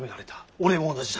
俺も同じだ。